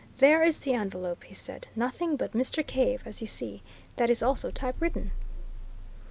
"There is the envelope," he said. "Nothing but Mr. Cave, as you see that is also typewritten."